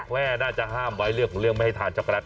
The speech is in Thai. แม่น่าจะห้ามไว้เรื่องของไม่ให้กินช็อคโกแลตล่ะ